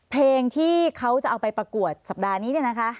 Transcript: เพลงที่เขาจะเอาไปประกวดสัปดาห์นี้เนี่ยนะคะ